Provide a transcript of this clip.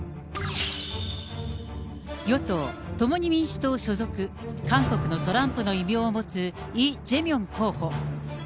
与党・共に民主党所属、韓国のトランプの異名を持つ、イ・ジェミョン候補。